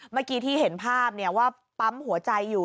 เมื่อกี้ที่เห็นภาพว่าปั๊มหัวใจอยู่